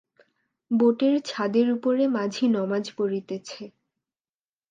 বোটের ছাদের উপরে মাঝি নমাজ পড়িতেছে।